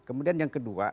kemudian yang kedua